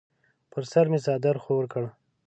پر سر مې څادر خور کړ.